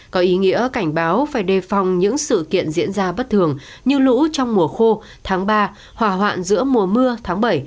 có ý nghĩa cảnh báo phải đề phòng những sự kiện diễn ra bất thường như lũ trong mùa khô tháng ba hòa hoạn giữa mùa mưa tháng bảy